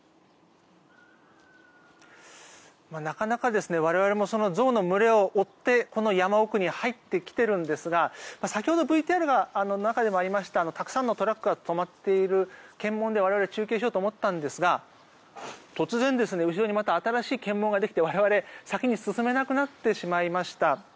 なかなか我々もゾウの群れを追ってこの山奥に入ってきているんですが先ほどＶＴＲの中でもありましたたくさんのトラックが止まっている検問で我々中継しようと思ったんですが突然、後ろにまた新しい検問ができて、我々先に進めなくなってしまいました。